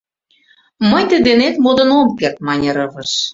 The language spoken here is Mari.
— Мый тый денет модын ом керт, — мане Рывыж.